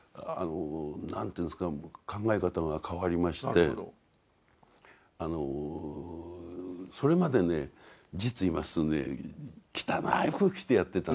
何ていうんですか考え方が変わりましてそれまでね実を言いますとね汚い服着てやってたんです。